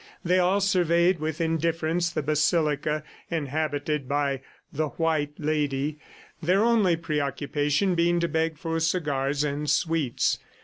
They all surveyed with indifference the basilica inhabited by "the white lady," their only preoccupation being to beg for cigars and sweets.